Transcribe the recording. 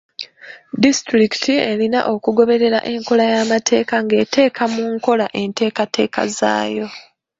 Disitulikiti erina okugoberera enkola y'amateeka ng'eteeka mu nkola enteekateeka zaayo.